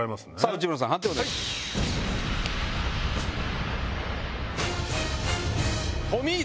内村さん判定をお願いします。